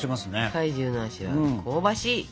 怪獣の足は香ばしい！